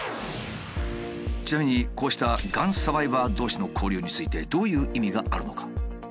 ちなみにこうしたがんサバイバー同士の交流についてどういう意味があるのか。